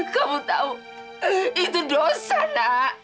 kau tahu itu dosa nak